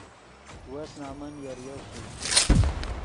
وس نمن یریو ݰوئے